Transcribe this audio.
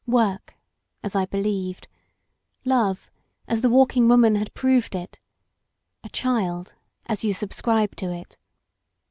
Work — ^as I believed; love — as the Walking Woman had proved it; a child — ^as you subscribe to it.